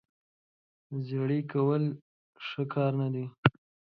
زیړې کول ښه کار نه دی.